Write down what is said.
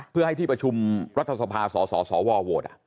เพื่อให้ที่ประชุมรัฐสภาสสวโหวต